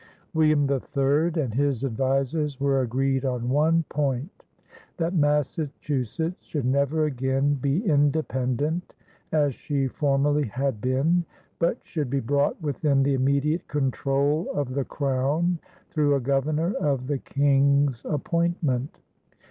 William III and his advisers were agreed on one point: that Massachusetts should never again be independent as she formerly had been, but should be brought within the immediate control of the Crown, through a governor of the King's appointment.